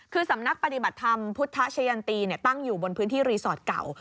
คือสำนักปฏิบัติธรรมพุทธชะยันตีตั้งอยู่บนพื้นที่รีสอร์ทเก่า